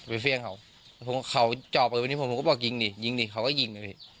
ไปเฟี้ยงเขาเขาจอดไปตรงนี้ผมก็บอกยิงดิยิงดิเขาก็ยิงเลย